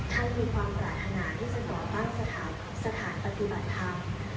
ท่านมีความปรารถนาที่จะก่อตั้งสถานปฏิบัติธรรม